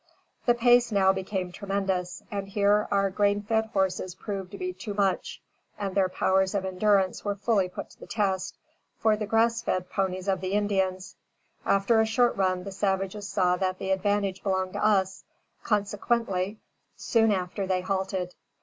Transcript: The pace now became tremendous; and here our grain fed horses proved to be too much (and their powers of endurance were fully put to the test), for the grass fed ponies of the Indians. After a short run, the savages saw that the advantage belonged to us, consequently soon after they halted.